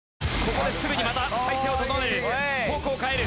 ここですぐにまた体勢を整える。